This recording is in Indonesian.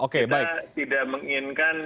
kita tidak menginginkan